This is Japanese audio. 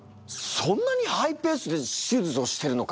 そんなにハイペースで手術をしてるのか。